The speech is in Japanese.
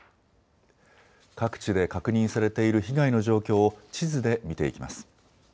各地で確認されている被害の状況を地図で見ていきます。